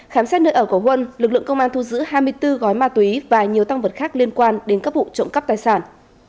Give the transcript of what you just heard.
khám xét nơi ở của huân lực lượng công an thu giữ hai mươi bốn gói ma túy và nhiều tăng vật khác liên quan đến các vụ trộm cắp tài sản